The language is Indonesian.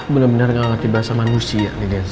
bener bener ga ngerti bahasa manusia nih dinosaurus ya